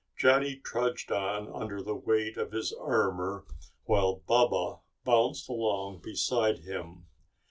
Johnny trudged on under the weight of his armor while Baba bounced along beside him.